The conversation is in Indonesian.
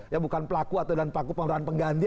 ya bukan pelaku atau pelaku pemeran pengganti